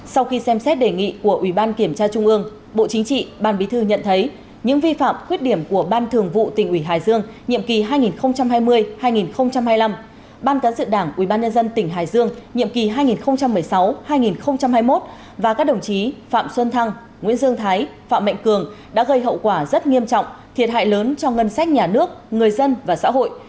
sau khi xem xét đề nghị của ubnd bộ chính trị ban bí thư nhận thấy những vi phạm khuyết điểm của ban thường vụ tỉnh ủy hải dương nhiệm kỳ hai nghìn hai mươi hai nghìn hai mươi năm ban cán dự đảng ubnd tỉnh hải dương nhiệm kỳ hai nghìn một mươi sáu hai nghìn hai mươi một và các đồng chí phạm xuân thăng nguyễn dương thái phạm mạnh cường đã gây hậu quả rất nghiêm trọng thiệt hại lớn cho ngân sách nhà nước người dân và xã hội